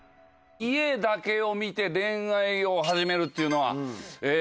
家だけを見て恋愛を始めるっていうのはええ